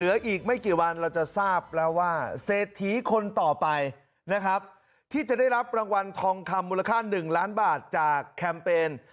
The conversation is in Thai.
เหลืออีกไม่กี่วันเราจะทราบแล้วว่าเศรษฐีคนต่อไปนะครับที่จะได้รับรางวัลทองคำมูลค่า๑ล้านบาทจากแคมเปญ